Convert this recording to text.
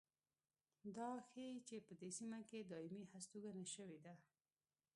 دا ښيي چې په دې سیمه کې دایمي هستوګنه شوې ده.